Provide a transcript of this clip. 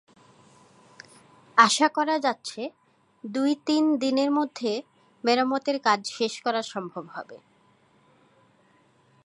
আশা করা যাচ্ছে দুই-তিন দিনের মধ্যে মেরামতের কাজ শেষ করা সম্ভব হবে।